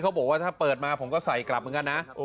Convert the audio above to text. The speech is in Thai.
บอกว่าถ้าเปิดมาผมก็ใส่กลับเหมือนกันนะ